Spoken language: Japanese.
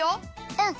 うん。